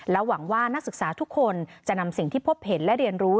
หวังว่านักศึกษาทุกคนจะนำสิ่งที่พบเห็นและเรียนรู้